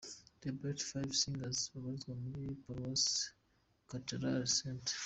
'The Bright Five Singers' babarizwa muri paroisse cathedrale St.